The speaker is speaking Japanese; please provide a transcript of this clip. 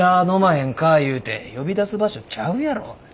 飲まへんかいうて呼び出す場所ちゃうやろ。